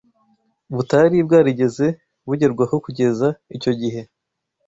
butari bwarigeze bugerwaho kugeza icyo gihe